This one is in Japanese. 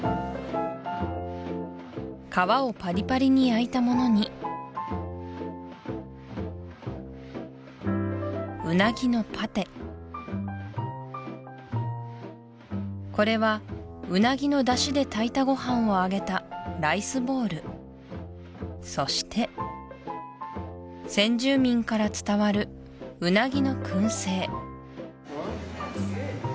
皮をパリパリに焼いたものにこれはウナギの出汁で炊いたごはんを揚げたライスボールそして先住民から伝わるウナギの燻製